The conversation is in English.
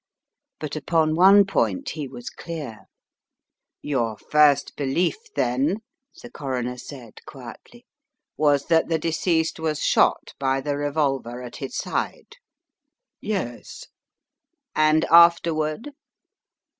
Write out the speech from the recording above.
But upon one point he was clear. Your first belief, then," the Coroner said, quietly, was that the deceased was shot by the revolver at his side?" "Yes." "And afterward?"